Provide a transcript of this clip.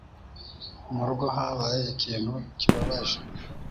Mu rugo habaye ikintu kibabaje.